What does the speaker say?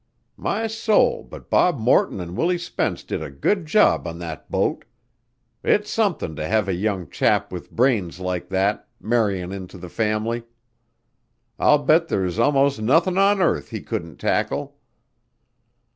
My soul, but Bob Morton an' Willie Spence did a good job on that boat! It's somethin' to have a young chap with brains like that marryin' into the family! I'll bet there's 'most nothin' on earth he couldn't tackle."